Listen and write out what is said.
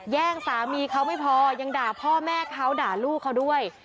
แย่งสามีเขาไม่พอยังด่าพ่อแม่เขาด่าลูกเขาด้วย